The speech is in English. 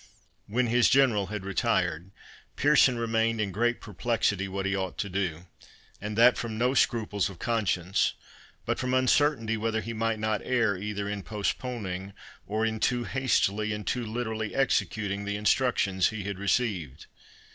When his General had retired, Pearson remained in great perplexity what he ought to do; and that from no scruples of conscience, but from uncertainty whether he might not err either in postponing, or in too hastily and too literally executing, the instructions he had received.